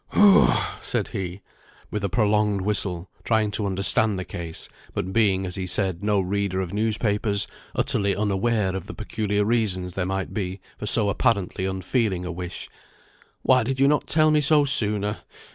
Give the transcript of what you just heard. "Whew " said he, with a prolonged whistle, trying to understand the case, but being, as he said, no reader of newspapers, utterly unaware of the peculiar reasons there might be for so apparently unfeeling a wish, "Why did you not tell me so sooner?